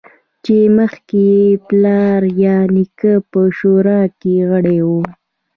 چې مخکې یې پلار یا نیکه په شورا کې غړی و